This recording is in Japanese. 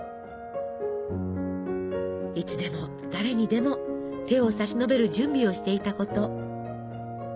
いつでも誰にでも手を差し伸べる準備をしていたこと。